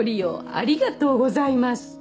ありがとうございます！